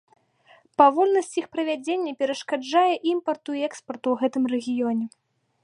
Павольнасць іх правядзення перашкаджае імпарту і экспарту ў гэтым рэгіёне.